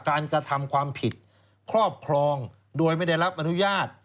กระทำความผิดครอบครองโดยไม่ได้รับอนุญาต